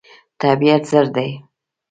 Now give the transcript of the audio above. طبیعت زر دی.